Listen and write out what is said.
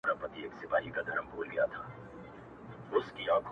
د زړه پر بام دي څومره ښكلي كښېـنولي راته.